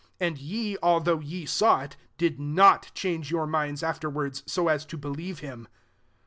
And ye, although ye saw it, did not change your minds afterwards, so as to believe him.